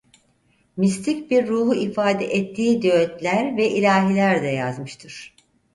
Mistik bir ruhu ifade ettiği düetler ve ilahiler de yazmıştır.